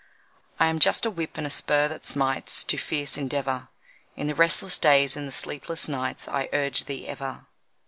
I am just a whip and a spur that smites To fierce endeavour. In the restless days and the sleepless nights I urge thee ever.